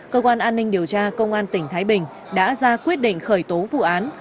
cơ quan an ninh điều tra công an tỉnh thái bình đã ra quyết định khởi tố vụ án